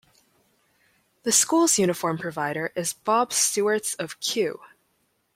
The Schools Uniform provider is Bob Stewarts of Kew.